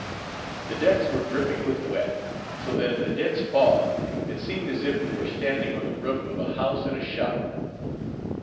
The decks were dripping with wet, so that in the dense fog, it seemed as if we were standing on the roof of a house in a shower.